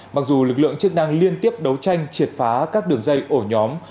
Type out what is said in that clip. mặc dù lực lượng chức năng liên tiếp đấu tranh triệt phá các đường dây ổ nhóm